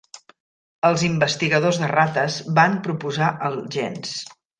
Els investigadors de rates van proposar el gens.